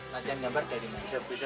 latihan gambar dari mana